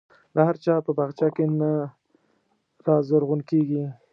د هر چا په باغچه کې نه رازرغون کېږي.